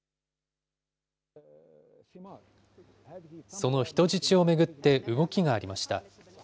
その人質を巡って動きがありました。